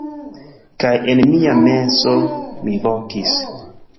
Kaj en mia menso, mi vokis: